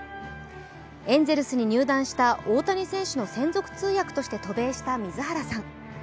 エンゼルスに入団した大谷選手の専属通訳として渡米した水原さん。